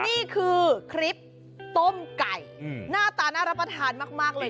นี่คือคลิปต้มไก่หน้าตาน่ารับประทานมากเลย